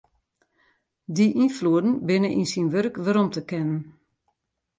Dy ynfloeden binne yn syn wurk werom te kennen.